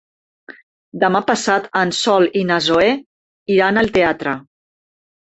Demà passat en Sol i na Zoè iran al teatre.